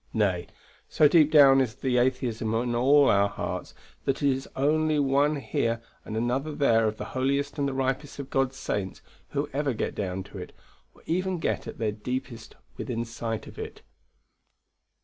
Nay, so deep down is the atheism of all our hearts, that it is only one here and another there of the holiest and the ripest of God's saints who ever get down to it, or even get at their deepest within sight of it.